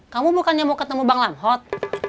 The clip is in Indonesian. kamu bukannya mau ketemu bang lamhot